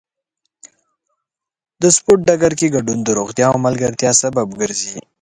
د سپورت ډګر کې ګډون د روغتیا او ملګرتیا سبب ګرځي.